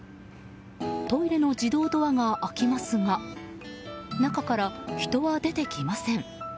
トイレの自動ドアが開きますが中から人は出てきません。